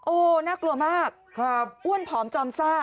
โอ้โหน่ากลัวมากอ้วนผอมจอมซ่า